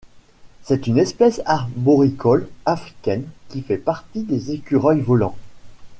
C'est une espèce arboricole africaine qui fait partie des écureuils volants.